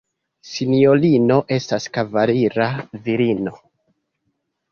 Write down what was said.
Sinjorino estas kavalira virino.